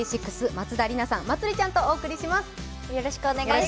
松田里奈さん、まつりちゃんとお送りします。